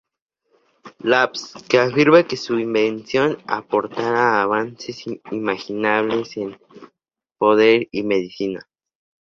Labs, que afirma que su invención aportará avances inimaginables en poder y medicina.